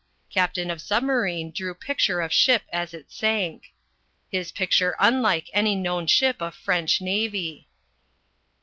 Captain of submarine drew picture of ship as it sank. His picture unlike any known ship of French navy.